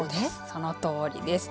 そのとおりです。